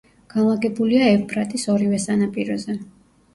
განლაგებულია ევფრატის ორივე სანაპიროზე.